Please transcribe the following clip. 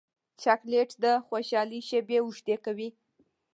چاکلېټ د خوشحالۍ شېبې اوږدې کوي.